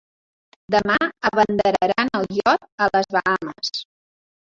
Demà abanderaran el iot a les Bahames.